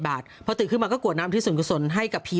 บาทเพราะติดขึ้นมาก็กวนน้ำที่ส่วนส่วนให้กับผี